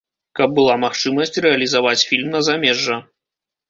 Каб была магчымасць рэалізаваць фільм на замежжа.